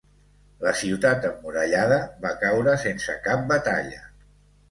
La ciutat emmurallada va caure sense cap batalla.